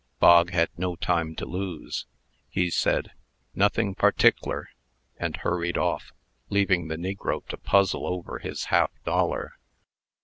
Bog had no time to lose. He said, "Nothing partickler," and hurried off, leaving the negro to puzzle over his half dollar.